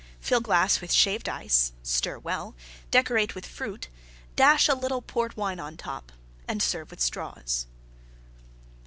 Fill glass with Shaved Ice; stir well; decorate with Fruit; dash a little Port Wine on top and serve with Straws.